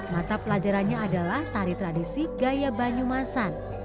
mata pelajarannya adalah tari tradisi gaya banyumasan